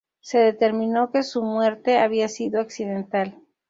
Se determinó que su muerte había sido accidental.